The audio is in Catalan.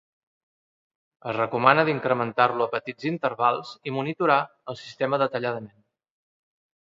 Es recomana incrementar-lo a petits intervals i monitorar el sistema detalladament.